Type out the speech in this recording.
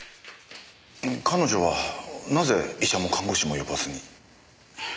彼女はなぜ医者も看護師も呼ばずに。